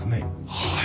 はい。